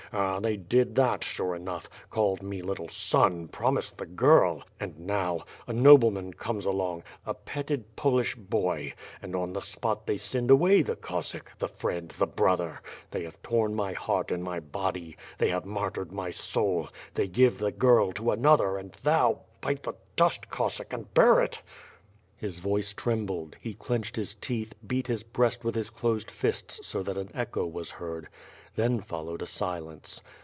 Ah! they did that, sure enough; called me little son, y)romised the girl! and now — a nobleman comes along, a petted Polish boy, and on the spot they send away the Cossack, the friend, the brother — they have torn my heart in my body; they have martyred my soul; they give the girl to another and thou, bite the dust, Cossack, and bear it " His voice trembled; he clenched his teeth, beat his breast with his closed fists so that an echo was heard. Then fol lowed a silence.